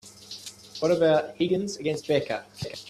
What about Higgins against Becca?